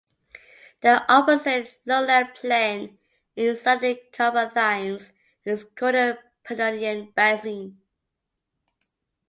The opposite lowland plain inside the Carpathians is called the Pannonian Basin.